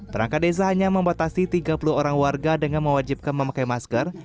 perangkat desa hanya membatasi tiga puluh orang warga dengan mewajibkan memakai masker